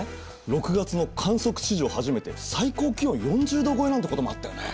６月の観測史上初めて最高気温４０℃超えなんてこともあったよね。